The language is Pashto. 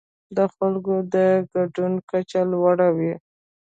د خلکو د ګډون کچه لوړه وي.